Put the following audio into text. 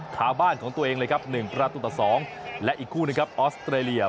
ขาบ้านของตัวเองเลยครับ๑ประตูต่อ๒และอีกคู่นะครับออสเตรเลีย